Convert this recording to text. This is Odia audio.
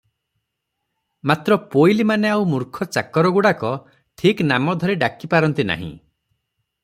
ମାତ୍ର ପୋଇଲିମାନେ ଆଉ ମୂର୍ଖ ଚାକରଗୁଡାକ ଠିକ ନାମ ଧରି ଡାକି ପାରନ୍ତି ନାହିଁ ।